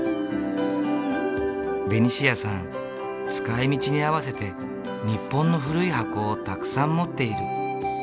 ベニシアさん使いみちに合わせて日本の古い箱をたくさん持っている。